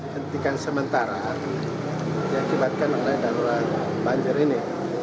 dihentikan sementara diakibatkan mengenai darurat banjir ini